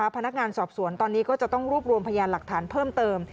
พนักงานสอบสวนตอนนี้ก็จะต้องรวบรวมพยานหลักฐานเพิ่มเติม